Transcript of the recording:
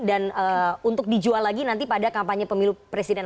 dan untuk dijual lagi nanti pada kampanye pemilu presidennya